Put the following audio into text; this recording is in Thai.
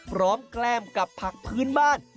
พร้อมแกล้มกับผักพื้นบ้าน